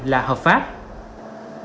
là hợp pháp